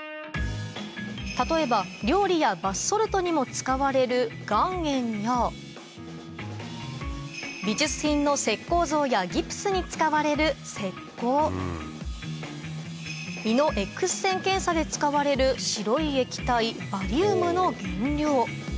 例えば料理やバスソルトにも使われる岩塩や美術品の石膏像やギプスに使われる石膏胃のエックス線検査で使われる白い液体バリウムの原料